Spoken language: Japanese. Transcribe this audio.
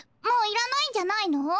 もういらないんじゃないの？